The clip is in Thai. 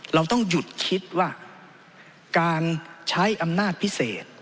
เราต้องหยุดคิดว่าการใช้อำนาจพิเศษ